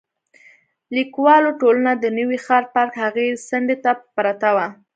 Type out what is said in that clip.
لیکوالو ټولنه د نوي ښار پارک هغې څنډې ته پرته وه.